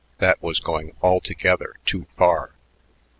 That was going altogether too far.